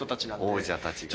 王者たちが。